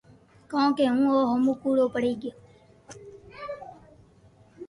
ڪونڪھ ھون اووہ ھومو ڪوڙو پڙي گيو